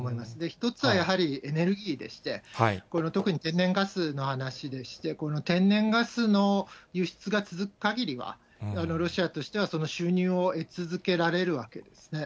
一つはやはりエネルギーでして、特に天然ガスの話でして、この天然ガスの輸出が続くかぎりは、ロシアとしてはその収入を得続けられるわけですね。